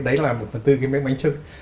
đấy là một phần tư cái bánh trưng